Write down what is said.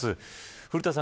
古田さん